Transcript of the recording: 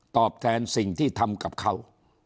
ตอบแทนสิ่งที่ทำกับเขา